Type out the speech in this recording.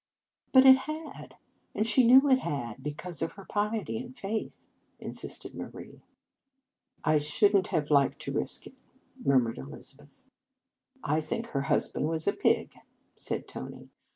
" But it had) and she knew it had, because of her piety and faith," insisted Marie. " I should n t have liked to risk it," murmured Elizabeth. "/ think her husband was a pig," said Tony.